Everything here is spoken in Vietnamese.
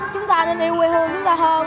chúng ta nên yêu quê hương chúng ta hơn